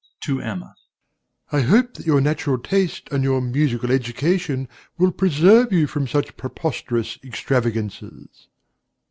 DOMINIE (to Emma). I hope that your natural taste and your musical education will preserve you from such preposterous extravagances.